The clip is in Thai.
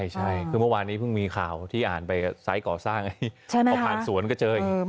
ใช่คือเมื่อวานนี้เพิ่งมีข่าวที่อ่านไปไซส์ก่อสร้างพอผ่านสวนก็เจออีก